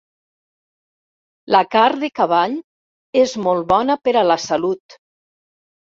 La carn de cavall és molt bona per a la salut.